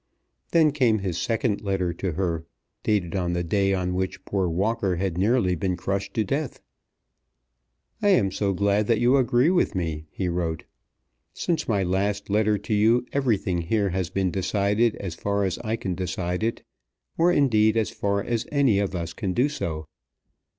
Then came his second letter to her, dated on the day on which poor Walker had nearly been crushed to death. "I am so glad that you agree with me," he wrote. Since my last letter to you everything here has been decided as far as I can decide it, or, indeed, as far as any of us can do so.